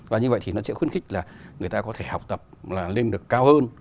và như vậy thì nó sẽ khuyến khích là người ta có thể học tập lên được cao hơn